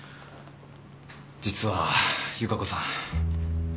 実は由加子さん。